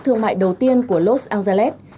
thương mại đầu tiên của los angeles